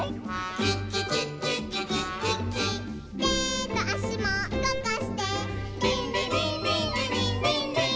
「てとあしもうごかして」「リンリリンリンリリンリンリン」